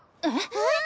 えっ？